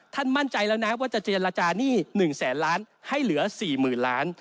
มั่นใจแล้วนะว่าจะเจรจาหนี้๑แสนล้านให้เหลือ๔๐๐๐ล้าน